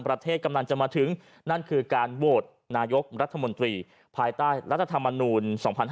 ประเทศกำลังจะมาถึงนั่นคือการโหวตนายกรัฐมนตรีภายใต้รัฐธรรมนูล๒๕๕๙